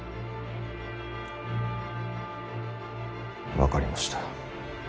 分かりました。